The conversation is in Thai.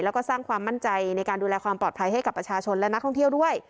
แล้วก็สร้างความมั่นใจในการดูแลความปลอดภัยให้กับประชาชนและนักท่องเที่ยวด้วย